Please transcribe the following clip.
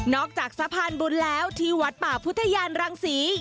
จากสะพานบุญแล้วที่วัดป่าพุทธยานรังศรี